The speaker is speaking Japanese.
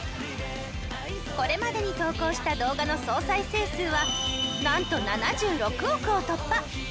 これまでに投稿した動画の総再生数はなんと７６億を突破！